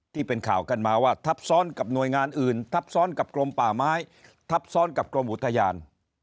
ที่เป็นข่าวกันมาว่าทับซ้อนกับหน่วยงานอื่นทับซ้อนกับกรมป่าไม้ทับซ้อนกับกรมอุทยาน